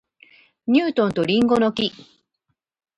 ニュートンと林檎の木